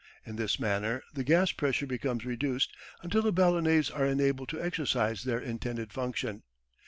In this manner the gas pressure becomes reduced until the ballonets are enabled to exercise their intended function.